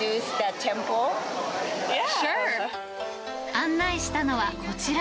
案内したのはこちら。